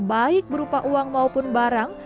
baik berupa uang maupun barang